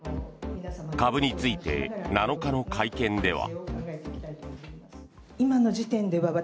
株について、７日の会見では。